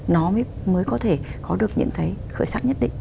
nó mới có thể có được những cái khởi sắc nhất định